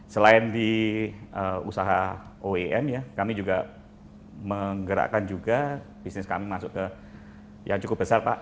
selain di usaha oem ya kami juga menggerakkan juga bisnis kami masuk ke yang cukup besar pak